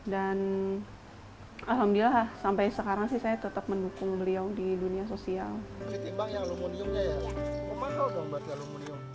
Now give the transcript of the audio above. alhamdulillah sampai sekarang sih saya tetap mendukung beliau di dunia sosial ketimbang